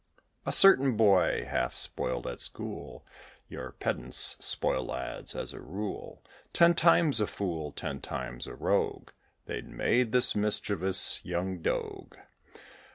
A certain Boy, half spoiled at school Your Pedants spoil lads, as a rule; Ten times a fool, ten times a rogue They'd made this mischievous young dog.